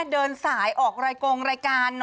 เดินสายออกรายกงรายการ